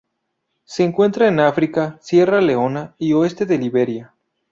Se encuentran en África: Sierra Leona y oeste de Liberia.